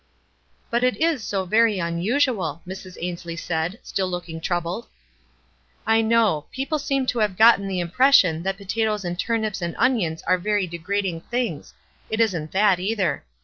"But it is so very unusual," Mrs. Ainslie said, still looking troubled. " 1 know ; people seem to have gotten the im pression that potatoes and turnips and onions arc very degrading things — it isn't that, cither.